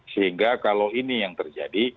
sehingga kalau ini yang terjadi